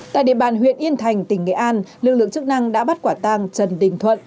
tại địa bàn huyện yên thành tỉnh nghệ an lực lượng chức năng đã bắt quả tang trần đình thuận